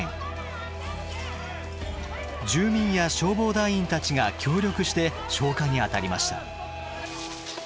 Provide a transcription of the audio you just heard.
住民や消防団員たちが協力して消火にあたりました。